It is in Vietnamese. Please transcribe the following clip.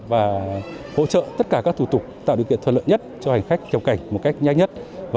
và hỗ trợ tất cả các thủ tục tạo điều kiện thuận lợi nhất cho hành khách nhập cảnh một cách nhanh nhất